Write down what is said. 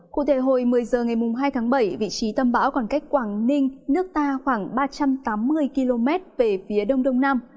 cụ thể hồi một mươi h ngày hai tháng bảy vị trí tâm bão còn cách quảng ninh nước ta khoảng ba trăm tám mươi km về phía đông đông nam